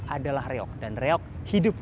adalah reog dan reog hidup